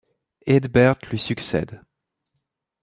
Eadberht lui succède.